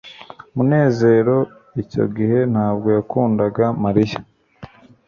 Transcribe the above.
munezero icyo gihe ntabwo yakundaga mariya